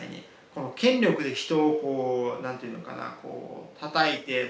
この権力で人をこう何ていうのかなこうたたいて。